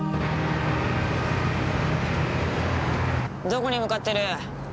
どこに向かってる？